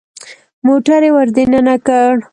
موټر يې ور دننه کړ.